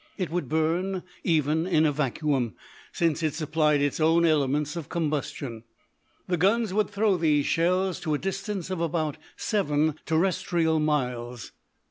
It would burn even in a vacuum, since it supplied its own elements of combustion. The guns would throw these shells to a distance of about seven terrestrial miles.